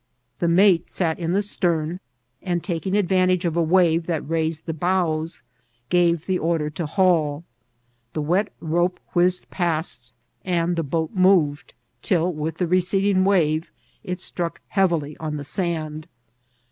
The mate sat in the stem, and, taking advantage of a wave that raised the bows, gave the order to hauL The wet rope whizaed past, and the boat moved till, widi the receding wave, it struck heav ily on the sand.